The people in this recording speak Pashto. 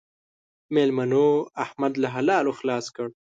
مېلمنو؛ احمد له حلالو خلاص کړ.